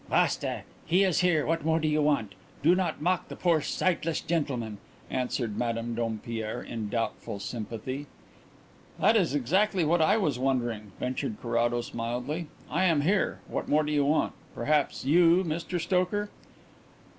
"Basta! he is here; what more do you want? Do not mock the poor sightless gentleman," answered Madame Dompierre, in doubtful sympathy. "That is exactly what I was wondering," ventured Carrados mildly. "I am here what more do you want? Perhaps you, Mr Stoker